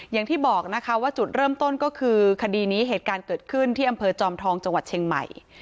อย่างที่บอกนะคะว่าจุดเริ่มต้นก็คือคดีนี้เหตุการณ์เกิดขึ้นที่อำเภอจอมทองจังหวัดเชียงใหม่